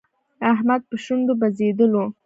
احمد په شونډو بزېدلو.